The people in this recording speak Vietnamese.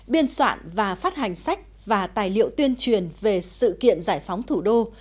biên soạn và phát hành sách và tài liệu tuyên truyền về sự kiện giải phóng thủ đô